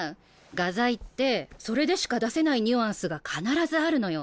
画材ってそれでしか出せないニュアンスが必ずあるのよ。